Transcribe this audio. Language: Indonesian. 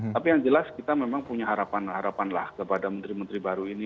tapi yang jelas kita memang punya harapan harapan lah kepada menteri menteri baru ini